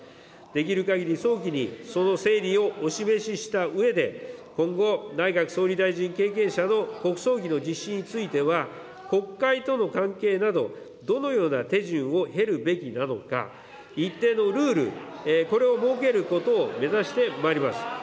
できるかぎり早期に、その整理をお示ししたうえで、今後、内閣総理大臣経験者の国葬儀の実施については、国会との関係など、どのような手順を経るべきなのか、一定のルール、これを設けることを目指してまいります。